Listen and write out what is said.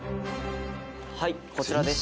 はいこちらです。